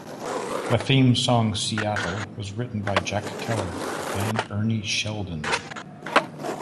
The theme song "Seattle" was written by Jack Keller and Ernie Sheldon.